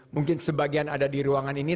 mungkin sebagian ada di ruangan ini